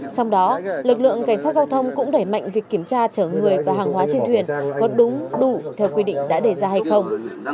trong đó lực lượng cảnh sát giao thông cũng đẩy mạnh việc kiểm tra chở người và hàng hóa trên thuyền có đúng đủ theo quy định đã đề ra hay không